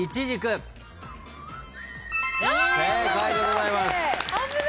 正解でございます。